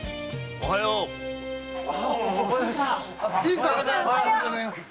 おはようございます。